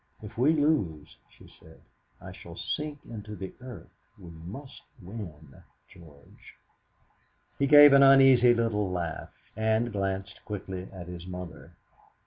"If we lose," she said, "I shall sink into the earth. We must win, George." He gave an uneasy little laugh, and glanced quickly at his mother.